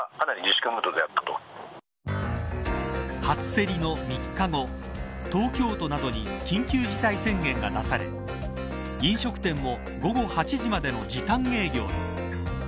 初競りの３日後東京都などに緊急事態宣言が出され飲食店も午後８時までの時短営業に。